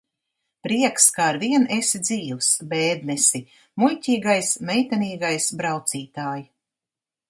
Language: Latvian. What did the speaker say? Prieks, ka arvien esi dzīvs, Bēdnesi, muļķīgais, meitenīgais braucītāj!